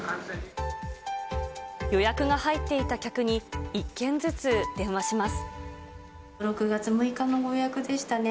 予約が入っていた客に１軒ず６月６日のご予約でしたね。